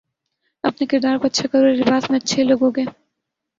اپنے کردار کو اچھا کرو ہر لباس میں اچھے لگو گے